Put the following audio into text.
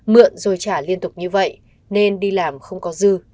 mượn rồi trả liên tục như vậy nên đi làm không có dư